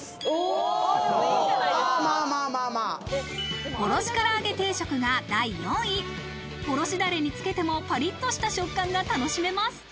おろしだれにつけてもパリっとした食感が楽しめます。